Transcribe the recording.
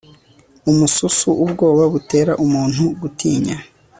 umususu ubwoba butera umuntu gutinya